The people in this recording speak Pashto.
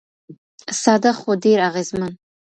ساده خو ډېر اغېزمن.